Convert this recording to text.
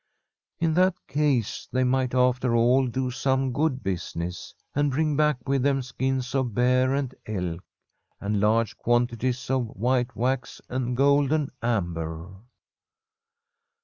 In that case they might after all do some good business, and bring back with them skins of bear and elk, and large quantities of white wax and golden amber.